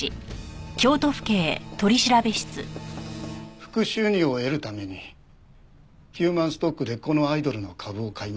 副収入を得るためにヒューマンストックでこのアイドルの株を買いました。